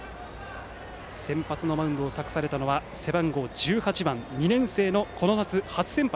先発のマウンドを任されたのは背番号１８のこの夏、初先発。